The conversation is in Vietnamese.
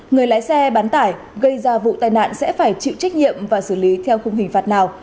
người lái xe bán tải gây ra vụ tai nạn sẽ phải chịu trách nhiệm và xử lý theo khung hình phạt nào